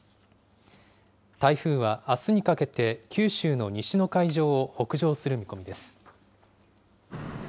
台風はあすにかけて九州の西の海上を北上する見込みです。